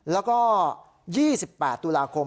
แล้วก็๒๘ตุลาคม